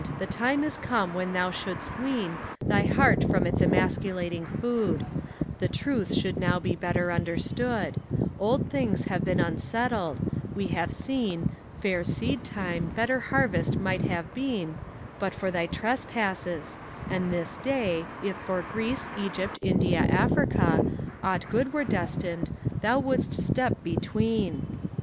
the time is come when thou shouldst wean Thy heart from its emasculating food; The truth should now be better understood; Old things have been unsettled; we have seen Fair seed time, better harvest might have been But for thy trespasses; and, at this day, If for Greece, Egypt, India, Africa, Aught good were destined, thou wouldst step between.